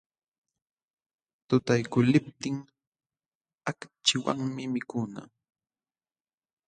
Tutaykuqluptin akchiwanmi mikuna.